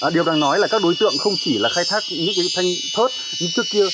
điều đang nói là các đối tượng không chỉ là khai thác những cái thanh thớt như trước kia